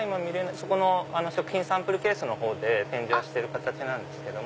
そこの食品サンプルケースで展示はしてる形なんですけども。